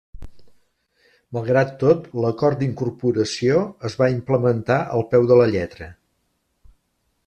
Malgrat tot, l'acord d'incorporació es va implementar al peu de la lletra.